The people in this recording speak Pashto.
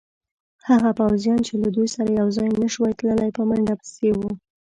هغه پوځیان چې له دوی سره یوځای نه شوای تلای، په منډه پسې وو.